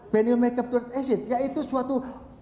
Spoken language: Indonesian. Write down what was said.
penil make up to red acid yaitu suatu